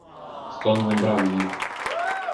Сон не брав її.